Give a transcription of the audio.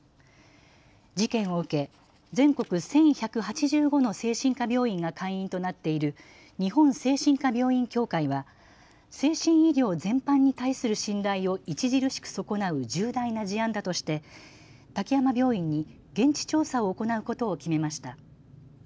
事件を受け全国１１８５の精神科病院が会員となっている日本精神科病院協会は精神医療全般に対する信頼を著しく損なう重大な事案だとして滝山病院に現地調査を行うことを決めました。